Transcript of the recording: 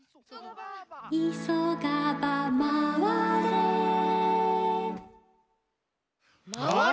「いそがばまわれ」まわれ！